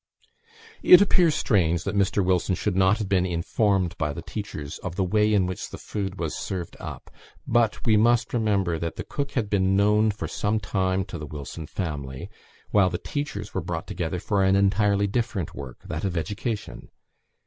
It appears strange that Mr. Wilson should not have been informed by the teachers of the way in which the food was served up; but we must remember that the cook had been known for some time to the Wilson family, while the teachers were brought together for an entirely different work that of education.